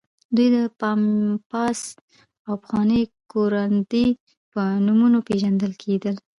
دوی د پامپاس او پخواني کوراندي په نومونو پېژندل کېدل.